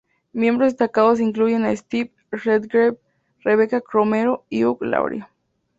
Miembros destacados incluyen a Steve Redgrave, Rebecca Romero y Hugh Laurie.